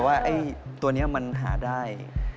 ว่าตัวนี้มันหาได้